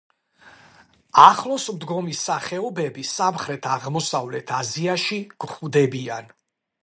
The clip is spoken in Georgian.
ახლოს მდგომი სახეობები სამხრეთ-აღმოსავლეთ აზიაში გვხვდებიან.